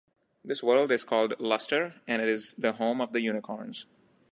This world is called Luster and it is the home of the unicorns.